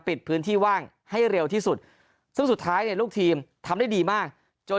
ปิดพื้นที่ว่างให้เร็วที่สุดซึ่งสุดท้ายเนี่ยลูกทีมทำได้ดีมากจน